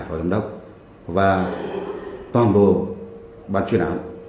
phó giám đốc và toàn bộ ban chuyên án